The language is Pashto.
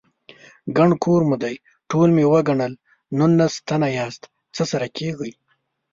_ګڼ کور مو دی، ټول مې وګڼل، نولس تنه ياست، څه سره کېږئ؟